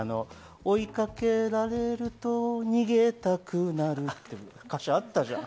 「追いかけられると逃げたくなる」っていう歌詞があったじゃない。